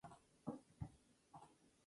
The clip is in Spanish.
Página oficial en español sobre la serie.